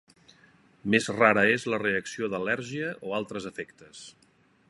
Més rara és la reacció d'al·lèrgia o altres efectes.